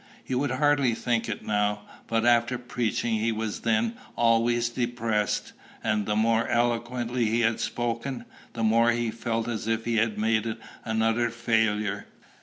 You would hardly think it now; but after preaching he was then always depressed, and the more eloquently he had spoken, the more he felt as if he had made an utter failure.